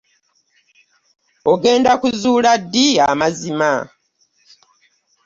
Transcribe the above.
Ogenda kuzuula ddi amazima?